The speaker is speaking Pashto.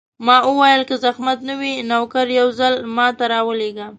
ما وویل: که زحمت نه وي، نوکر یو ځل ما ته راولېږه.